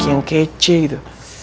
yang kece gitu